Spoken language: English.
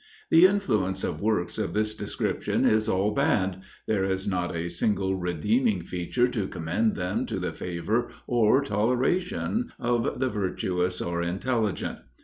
The influence of works of this description is all bad there is not a single redeeming feature to commend them to the favor or toleration of the virtuous or intelligent.